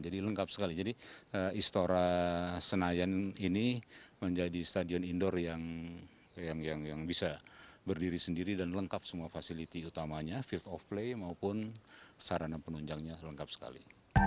jadi lengkap sekali jadi istora senayan ini menjadi stadion indoor yang bisa berdiri sendiri dan lengkap semua fasiliti utamanya field of play maupun sarana penunjangnya lengkap sekali